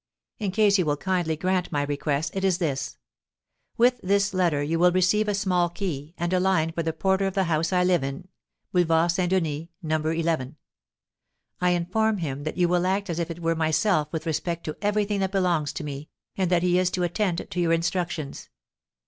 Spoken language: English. In case you will kindly grant my request, it is this: With this letter you will receive a small key, and a line for the porter of the house I live in, Boulevard St. Denis, No. 11. I inform him that you will act as if it were myself with respect to everything that belongs to me, and that he is to attend to your instructions.